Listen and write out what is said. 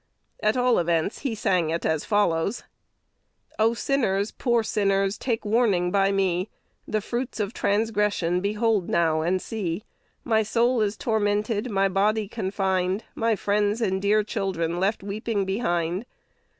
At all events, he sang it as follows: "O sinners! poor sinners, take warning by me: The fruits of transgression behold now, and see; My soul is tormented, my body confined, My friends and dear children left weeping behind.